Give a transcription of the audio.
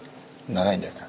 長いんだよな。